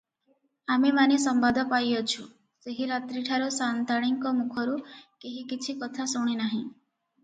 ଆମେମାନେ ସମ୍ବାଦ ପାଇଅଛୁ, ସେହି ରାତ୍ରିଠାରୁ ସାଆନ୍ତାଣୀଙ୍କ ମୁଖରୁ କେହି କିଛି କଥା ଶୁଣି ନାହିଁ ।